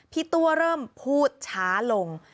พี่ตัวเริ่มพูดช้าลง